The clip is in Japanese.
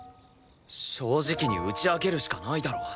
正直に打ち明けるしかないだろ。